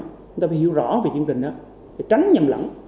chúng ta phải hiểu rõ về chương trình đó để tránh nhầm lẫn